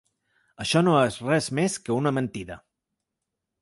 Això no és res més que una mentida.